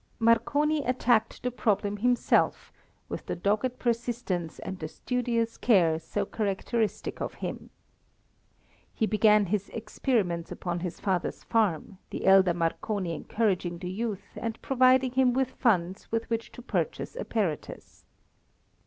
Marconi attacked the problem himself with the dogged persistence and the studious care so characteristic of him. He began his experiments upon his father's farm, the elder Marconi encouraging the youth and providing him with funds with which to purchase apparatus.